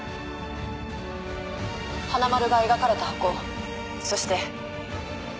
「はなまる」が描かれた箱そして。